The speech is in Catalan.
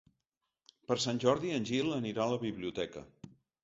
Per Sant Jordi en Gil anirà a la biblioteca.